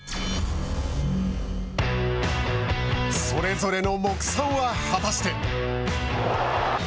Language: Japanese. それぞれの目算は果たして。